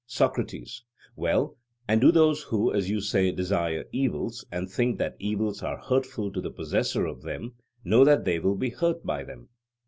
SOCRATES: Well, and do those who, as you say, desire evils, and think that evils are hurtful to the possessor of them, know that they will be hurt by them?